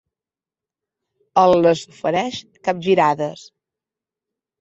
Els les ofereix capgirades.